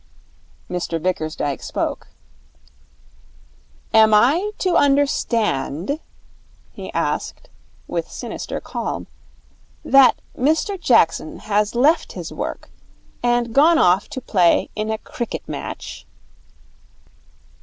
Mr Bickersdyke spoke. 'Am I to understand,' he asked, with sinister calm, 'that Mr Jackson has left his work and gone off to play in a cricket match?'